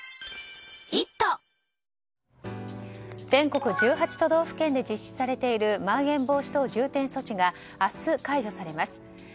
全国１８都道府県で実施されているまん延防止等重点措置が明日解除されます。